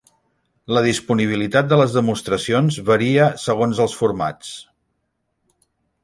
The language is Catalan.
La disponibilitat de les demostracions varia segons els formats.